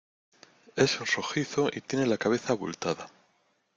es rojizo y tiene la cabeza abultada